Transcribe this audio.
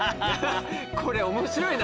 これ面白いな。